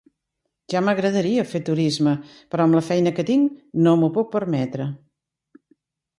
Ja m'agradaria fer turisme, però amb la feina que tinc no m'ho puc permetre.